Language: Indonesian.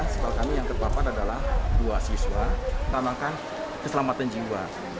sekolah kami yang terbapat adalah dua siswa pertama kan keselamatan jiwa